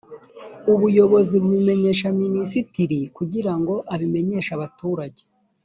ubuyobozi bubimenyesha minisitiri kugira ngo abimenyeshe abaturage